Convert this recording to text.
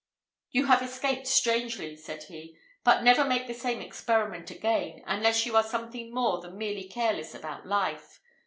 "You have escaped strangely," said he: "but never make the same experiment again, unless you are something more than merely careless about life.